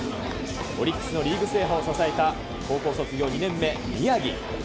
オリックスのリーグ制覇を支えた高校卒業２年目、宮城。